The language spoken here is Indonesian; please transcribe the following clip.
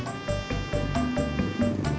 mba ni tercerang